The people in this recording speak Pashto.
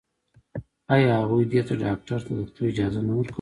آيا هغوی دې ته ډاکتر ته د تلو اجازه نه ورکوله.